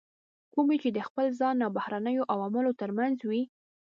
کومې چې د خپل ځان او بهرنیو عواملو ترمنځ وي.